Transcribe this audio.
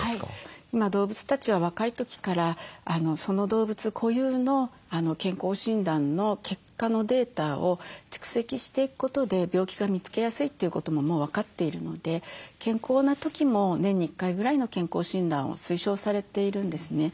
今動物たちは若い時からその動物固有の健康診断の結果のデータを蓄積していくことで病気が見つけやすいということももう分かっているので健康な時も年に１回ぐらいの健康診断を推奨されているんですね。